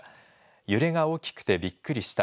揺れが大きくてびっくりした。